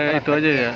oh sampai itu aja ya